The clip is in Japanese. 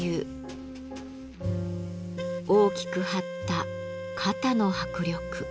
大きく張った肩の迫力。